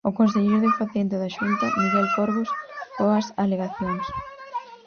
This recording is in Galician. O Conselleiro de Facenda da Xunta, Miguel Corgos, coas alegacións.